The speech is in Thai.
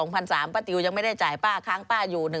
ป้าติ๋วยังไม่ได้จ่ายป้าค้างป้าอยู่